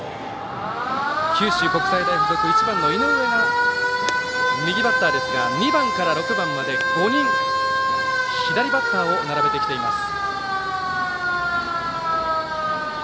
九州国際大付属は１番の井上が右バッターですが２番から６番まで、５人左バッターを並べてきています。